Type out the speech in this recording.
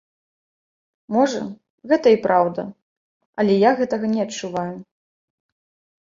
Можа, гэта і праўда, але я гэтага не адчуваю.